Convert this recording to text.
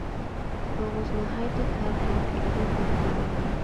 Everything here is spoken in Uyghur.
بوغۇز ناھايىتى تار ھەم ئەگرى-بۈگرى ئىدى.